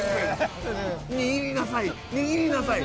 握りなさいよ！